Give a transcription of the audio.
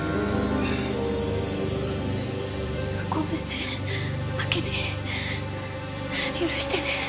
ごめんねあけみ許してね。